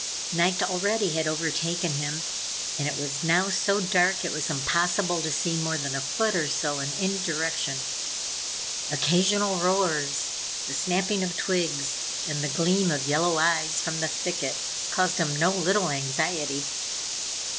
Night already had overtaken him and it was now so dark, it was impossible to see more than a foot or so in any direction. Occasional roars, the snapping of twigs and the gleam of yellow eyes from the thicket, caused him no little anxiety.